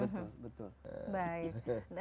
nah ustadz ya